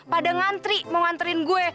pada ngantri mau nganterin gue